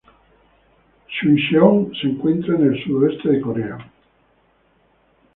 Chungcheong se encuentra en el sudoeste de Corea.